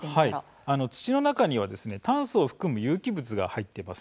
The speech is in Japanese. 土の中には酸素を含む有機物が入っています。